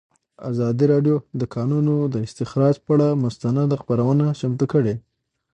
ازادي راډیو د د کانونو استخراج پر اړه مستند خپرونه چمتو کړې.